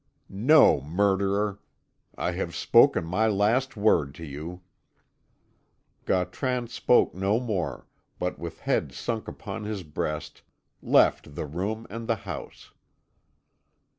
"No, murderer. I have spoken my last word to you." Gautran spoke no more, but with head sunk upon his breast, left the room and the house.